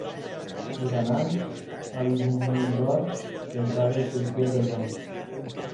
Durant anys, ha vist un munt d'or que entrava i sortia del banc.